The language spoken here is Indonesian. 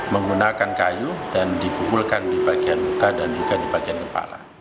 menggunakan kayu dan dipukulkan di bagian muka dan juga di bagian kepala